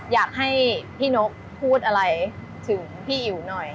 อยากให้พี่นกพูดอะไรถึงพี่อิ๋วหน่อย